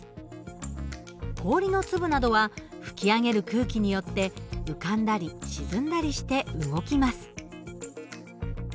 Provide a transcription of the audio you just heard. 氷の粒などは吹き上げる空気によって浮かんだり沈んだりして動きます。